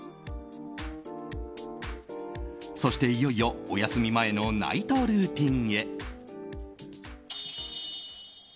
そして、いよいよお休み前のナイトルーティンへ。